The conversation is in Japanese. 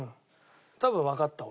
多分わかった俺。